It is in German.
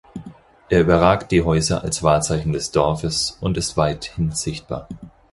Er überragt die Häuser als Wahrzeichen des Dorfes und ist weithin sichtbar.